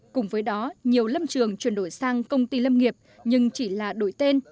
cùng với đó nhiều lâm trường chuyển đổi sang công ty lâm nghiệp nhưng chỉ là đổi tên